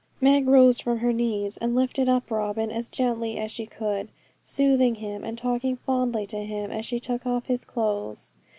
Meg rose from her knees, and lifted up Robin as gently as she could, soothing him, and talking fondly to him as she took off his clothes.